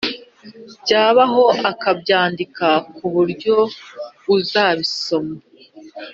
byabaho akabyandika ku buryo uzabisoma